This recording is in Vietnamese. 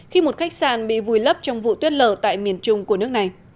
khi một khách sạn bị vùi lấp trong vụ tuyết lở tại miền trung của nước này